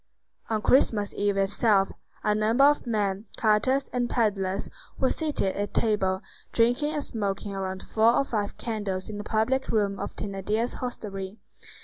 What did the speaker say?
On Christmas eve itself, a number of men, carters, and peddlers, were seated at table, drinking and smoking around four or five candles in the public room of Thénardier's hostelry.